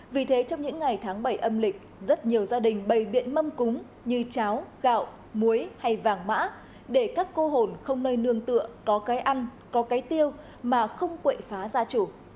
vì thế trong những ngày tháng bảy âm lịch rất nhiều gia đình bày biện mâm cúng như cháo gạo muối hay vàng mã để các cô hồn không nơi nương tựa có cái ăn có cái tiêu mà không quậy phá gia chủ